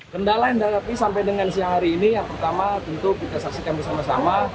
kendala yang dihadapi sampai dengan siang hari ini yang pertama tentu kita saksikan bersama sama